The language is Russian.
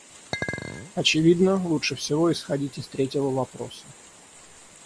Очевидно, лучше всего исходить из третьего вопроса.